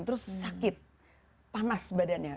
terus sakit panas badannya